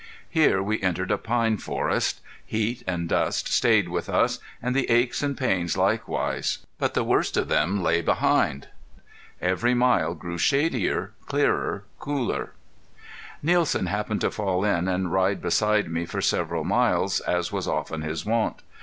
Here we entered a pine forest. Heat and dust stayed with us, and the aches and pains likewise, but the worst of them lay behind. Every mile grew shadier, clearer, cooler. Nielsen happened to fall in and ride beside me for several miles, as was often his wont.